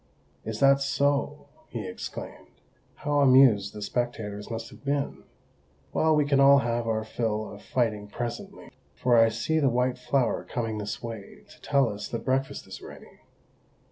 "Is that so?" he exclaimed. "How amused the spectators must have been! Well, we can all have our fill of fighting presently, for I see the White Flower coming this way to tell us that breakfast is ready.